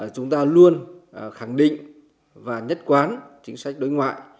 chúng ta luôn khẳng định và nhất quán chính sách đối ngoại